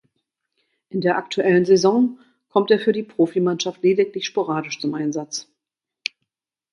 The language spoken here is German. In der aktuellen Saison kommt er für die Profimannschaft lediglich sporadisch zum Einsatz.